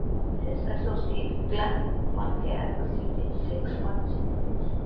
His associate Glenn Mulcaire received a six-month sentence.